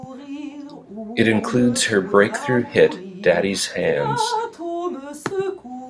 It includes her breakthrough hit, "Daddy's Hands".